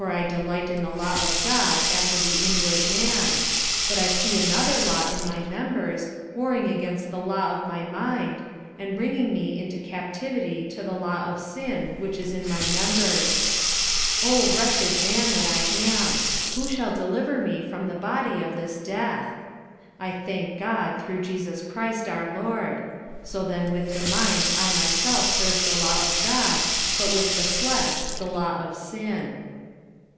45:007:022 For I delight in the law of God after the inward man: 45:007:023 But I see another law in my members, warring against the law of my mind, and bringing me into captivity to the law of sin which is in my members. 45:007:024 O wretched man that I am! who shall deliver me from the body of this death? 45:007:025 I thank God through Jesus Christ our Lord. So then with the mind I myself serve the law of God; but with the flesh the law of sin.